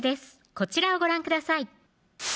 こちらをご覧ください